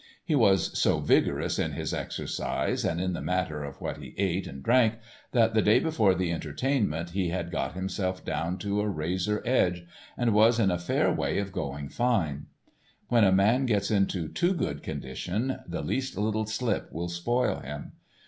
He was so vigorous in his exercise and in the matter of what he ate and drank that the day before the entertainment he had got himself down to a razor edge, and was in a fair way of going fine. When a man gets into too good condition, the least little slip will spoil him.